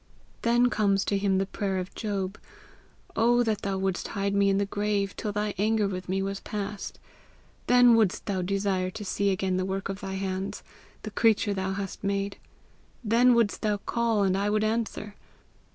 Then comes to him the prayer of Job, 'Oh that thou wouldst hide me in the grave till thy anger with me was past! Then wouldst thou desire to see again the work of thy hands, the creature thou hadst made! Then wouldst thou call, and I would answer.'